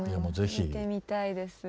聴いてみたいです。